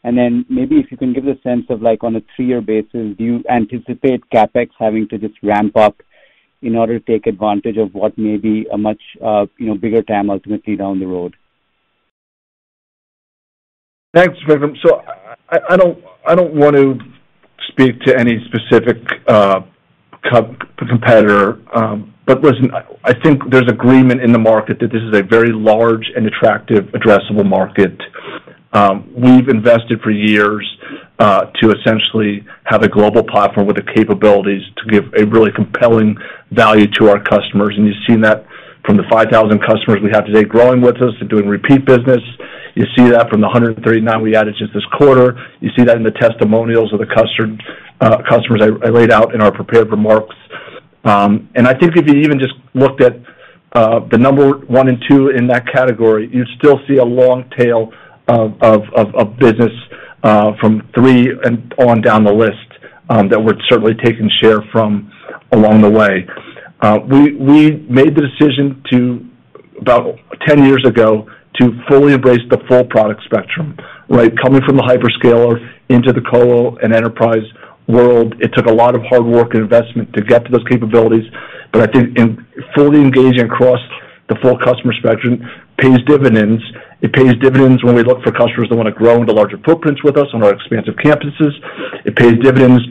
And then maybe if you can give the sense of, on a three-year basis, do you anticipate CapEx having to just ramp up in order to take advantage of what may be a much bigger TAM ultimately down the road? Thanks, Vikram. I don't want to speak to any specific competitor. Listen, I think there's agreement in the market that this is a very large and attractive, addressable market. We've invested for years to essentially have a global platform with the capabilities to give a really compelling value to our customers. You have seen that from the 5,000 customers we have today growing with us and doing repeat business. You see that from the 139 we added just this quarter. You see that in the testimonials of the customers I laid out in our prepared remarks. I think if you even just looked at the number one and two in that category, you'd still see a long tail of business from three and on down the list that we're certainly taking share from along the way. We made the decision about 10 years ago to fully embrace the full product spectrum, right? Coming from the hyperscaler into the colo and enterprise world, it took a lot of hard work and investment to get to those capabilities. I think fully engaging across the full customer spectrum pays dividends. It pays dividends when we look for customers that want to grow into larger footprints with us on our expansive campuses. It pays dividends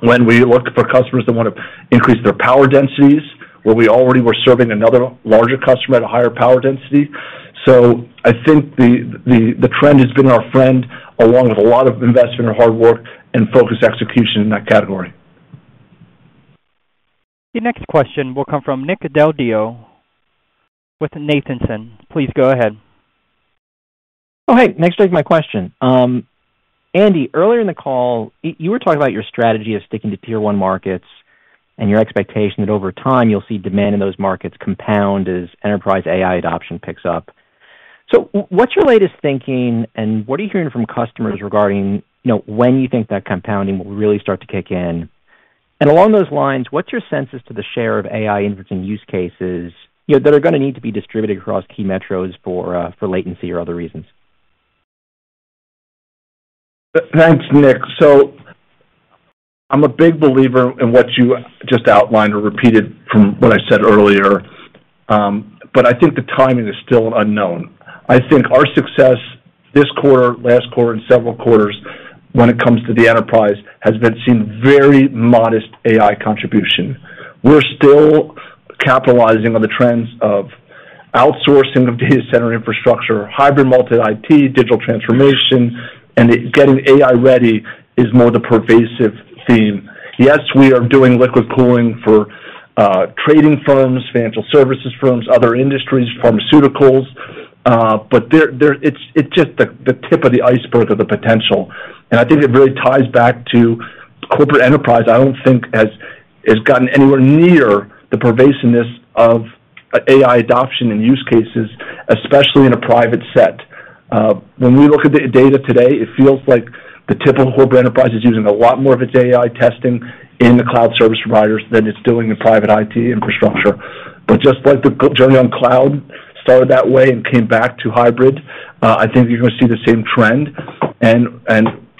when we look for customers that want to increase their power densities, where we already were serving another larger customer at a higher power density. I think the trend has been our friend along with a lot of investment and hard work and focused execution in that category. The next question will come from Nick Del Deo with Nathanson. Please go ahead. Oh, hey. Nice to take my question. Andy, earlier in the call, you were talking about your strategy of sticking to tier one markets and your expectation that over time you'll see demand in those markets compound as enterprise AI adoption picks up. What's your latest thinking, and what are you hearing from customers regarding when you think that compounding will really start to kick in? Along those lines, what's your sense as to the share of AI inventing use cases that are going to need to be distributed across key metros for latency or other reasons? Thanks, Nick. I'm a big believer in what you just outlined or repeated from what I said earlier. I think the timing is still unknown. I think our success this quarter, last quarter, and several quarters when it comes to the enterprise has been seen very modest AI contribution. We're still capitalizing on the trends of outsourcing of data center infrastructure, hybrid multi-IT, digital transformation, and getting AI ready is more the pervasive theme. Yes, we are doing liquid cooling for trading firms, financial services firms, other industries, pharmaceuticals. It's just the tip of the iceberg of the potential. I think it really ties back to corporate enterprise. I don't think it has gotten anywhere near the pervasiveness of AI adoption and use cases, especially in a private set. When we look at the data today, it feels like the typical corporate enterprise is using a lot more of its AI testing in the cloud service providers than it's doing in private IT infrastructure. Just like the journey on cloud started that way and came back to hybrid, I think you're going to see the same trend.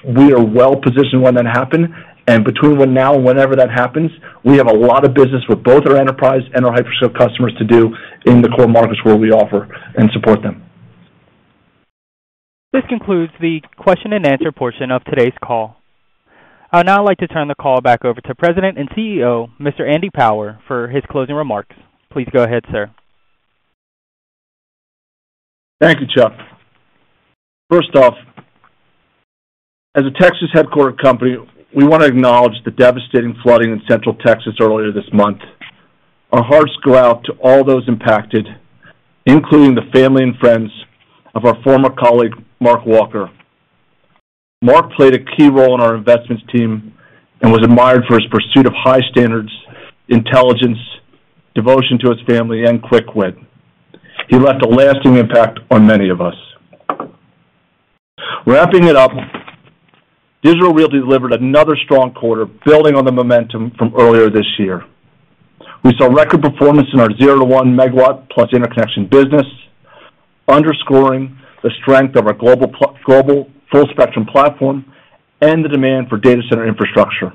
We are well positioned when that happens. Between now and whenever that happens, we have a lot of business with both our enterprise and our hyperscale customers to do in the core markets where we offer and support them. This concludes the question-and-answer portion of today's call. I'd now like to turn the call back over to President and CEO, Mr. Andy Power, for his closing remarks. Please go ahead, sir. Thank you, Chuck. First off, as a Texas headquartered company, we want to acknowledge the devastating flooding in Central Texas earlier this month. Our hearts go out to all those impacted, including the family and friends of our former colleague, Mark Walker. Mark played a key role in our investments team and was admired for his pursuit of high standards, intelligence, devotion to his family, and quick wit. He left a lasting impact on many of us. Wrapping it up, Digital Realty delivered another strong quarter, building on the momentum from earlier this year. We saw record performance in our 0 MW-1 MW plus interconnection business, underscoring the strength of our global full-spectrum platform and the demand for data center infrastructure.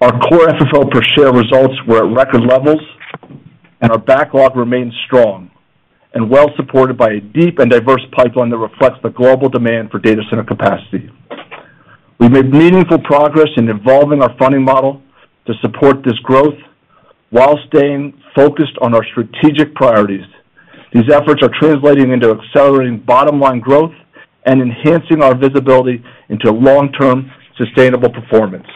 Our core FFO per share results were at record levels, and our backlog remains strong and well supported by a deep and diverse pipeline that reflects the global demand for data center capacity. We made meaningful progress in evolving our funding model to support this growth while staying focused on our strategic priorities. These efforts are translating into accelerating bottom-line growth and enhancing our visibility into long-term sustainable performance.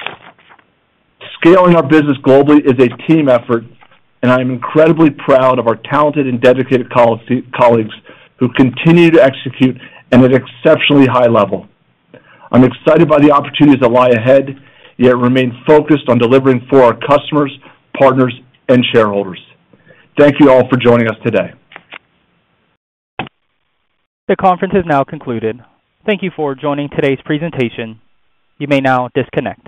Scaling our business globally is a team effort, and I am incredibly proud of our talented and dedicated colleagues who continue to execute at an exceptionally high level. I'm excited by the opportunities that lie ahead, yet remain focused on delivering for our customers, partners, and shareholders. Thank you all for joining us today. The conference is now concluded. Thank you for joining today's presentation. You may now disconnect.